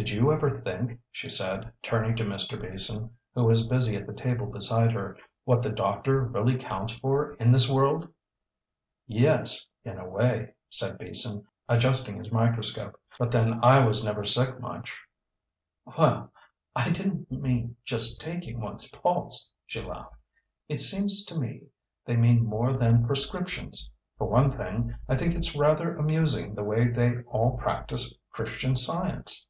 "Did you ever think," she said, turning to Mr. Beason, who was busy at the table beside her, "what the doctor really counts for in this world?" "Yes in a way," said Beason, adjusting his microscope, "but then I never was sick much." "Well, I didn't mean just taking one's pulse," she laughed. "It seems to me they mean more than prescriptions. For one thing, I think it's rather amusing the way they all practice Christian Science."